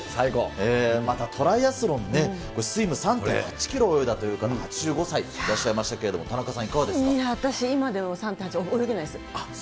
またトライアスロンね、スイム３．８キロ泳いで、８５歳でいらっしゃいましたけど、私、今でも３．８キロ泳げないです。